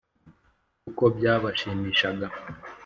kuko byabashimishaga